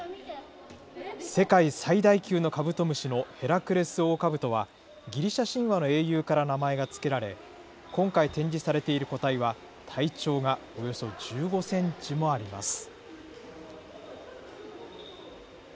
世界最大級のカブトムシのヘラクレスオオカブトは、ギリシャ神話の英雄から名前が付けられ、今回展示されている個体は体長がおよそ１５センチもあります。